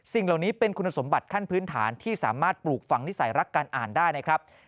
สิ่งเหล่านี้เป็นคุณสมบัติขั้นพื้นฐานที่สามารถปลูกฟังนิสัยรักการอ่านได้นะครับ